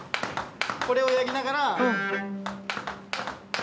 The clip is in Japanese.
これをやりながら。